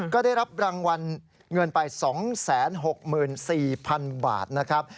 ก็ได้รับรางวัลเงินไป๒๖๔๐๐๐บาทนะครับ